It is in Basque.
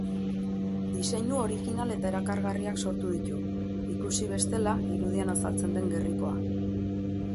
Diseinu orijinal eta erakargarriak sortu ditu, ikusi bestela irudian azaltzen den gerrikoa.